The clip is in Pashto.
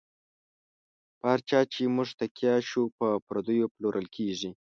په هر چا چی موږ تکیه شو، په پردیو پلورل کیږی